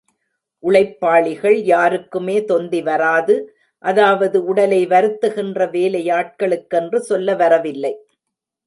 உழைப்பாளிகள் யாருக்குமே தொந்தி வராது அதாவது உடலை வருத்துகின்ற வேலையாட்களுக்கென்று சொல்ல வரவில்லை.